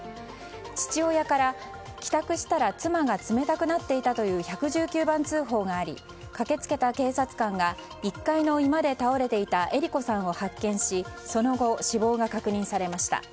父親から帰宅したら妻が冷たくなっていたという１１９番通報があり駆け付けた警察官が１階の居間で倒れていたえり子さんを発見しその後、死亡が確認されました。